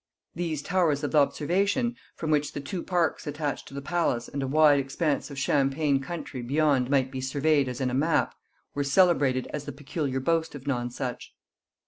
These towers of observation, from which the two parks attached to the palace and a wide expanse of champaign country beyond might be surveyed as in a map, were celebrated as the peculiar boast of Nonsuch.